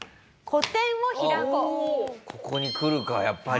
ここにくるかやっぱり。